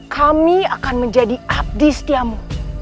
kami akan menjadi abdisetiamu